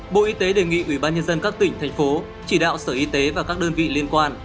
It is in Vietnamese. bộ y tế đề nghị ủy ban nhân dân các tỉnh thành phố chỉ đạo sở y tế và các đơn vị liên quan